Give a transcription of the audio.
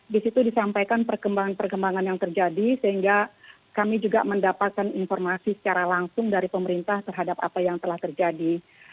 di situ disampaikan perkembangan perkembangan yang terjadi sehingga kami juga mendapatkan informasi secara langsung dari pemerintah terhadap apa yang telah terjadi